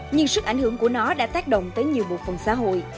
nhưng sức ảnh hưởng của nó đã tác động tới nhiều bộ phần xã hội